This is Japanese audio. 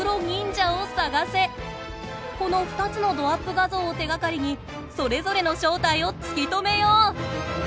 この２つのどアップ画像を手がかりにそれぞれの正体を突き止めよう！